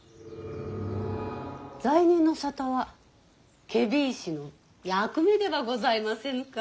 罪人の沙汰は検非違使の役目ではございませぬか。